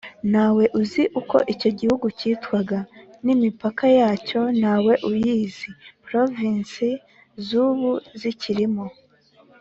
nta we uzi uko icyo gihugu cyitwaga. n’imipaka yacyo nta we uyizi. provinsi z’ubu zikirimo